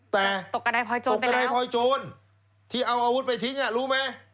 ตกกระได้พลอยโจรที่เอาอาวุธไปทิ้งรู้ไหม